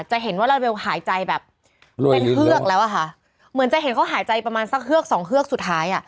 จะเห็นว่าลาลาเบลหายใจแบบเป็นเฮือกแล้วอะค่ะเหมือนจะเห็นเขาหายใจประมาณสักเฮือกสองเฮือกสุดท้ายอ่ะ